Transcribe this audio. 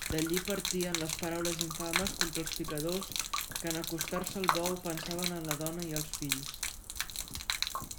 D'allí partien les paraules infames contra els picadors que en acostar-se al bou pensaven en la dona i els fills.